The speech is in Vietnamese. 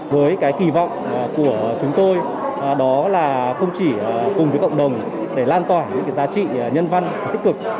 với cái kỳ vọng của chúng tôi đó là không chỉ cùng với cộng đồng để lan tỏa những giá trị nhân văn tích cực